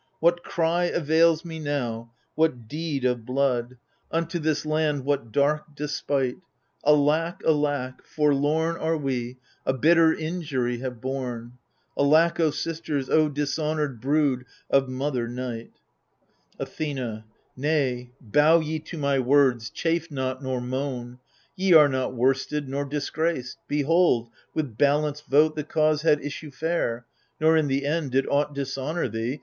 What cry avails me now, what deed of blood. 172 THE FURIES Unto this land what dark despite ? Alack, alack, forlorn Are we, a bitter injury have borne ! Alack, O sisters, O dishonoured brood Of mother Night I Athena Nay, bow ye to my words, chafe not nor moan : Ye are not worsted nor disgraced ; behold. With balanced vote the cause had issue fair, Nor in the end did aught dishonour thee.